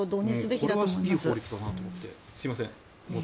すみません。